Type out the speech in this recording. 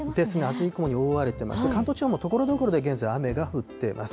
厚い雲に覆われていまして、関東地方もところどころで現在、雨が降っています。